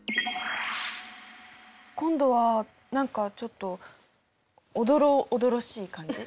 今度は何かちょっとおどろおどろしい感じ。